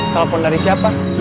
telepon dari siapa